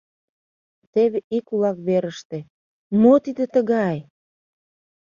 Теве ик улак верыште... мо тиде тыгай?!